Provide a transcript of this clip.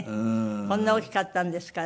こんな大きかったんですから。